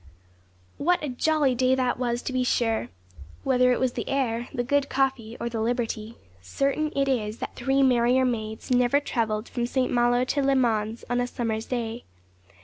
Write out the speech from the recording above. What a jolly day that was, to be sure! Whether it was the air, the good coffee, or the liberty, certain it is that three merrier maids never travelled from St. Malo to Le Mans on a summer's day.